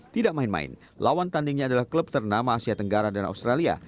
tidak main main lawan tandingnya adalah klub ternama asia tenggara dan australia